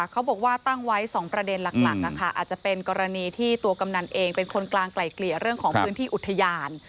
เขาบอกว่าตั้งไว้๒ประเด็นหลักนะคะอาจจะเป็นกรณีที่ตัวกำนันเองเป็นคนกลางไกล่เกลี่ยเรื่องของพื้นที่อุทยาน